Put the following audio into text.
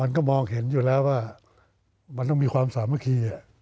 ก็มองเห็นอยู่แล้วว่ามันต้องมีความสามัคคี